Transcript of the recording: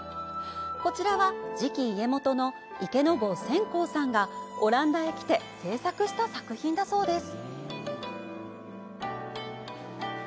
こちらは、次期家元の池坊専好さんがオランダへ来て制作した作品だそうです。